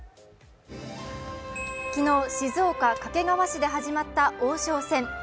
昨日、静岡・掛川市で始まった王将戦。